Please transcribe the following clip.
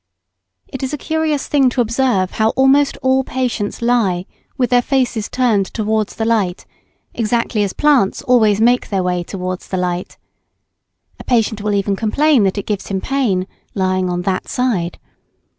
] It is a curious thing to observe how almost all patients lie with their faces turned to the light, exactly as plants always make their way towards the light; a patient will even complain that it gives him pain "lying on that side."